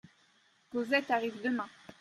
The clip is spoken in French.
Cosette arrive demain.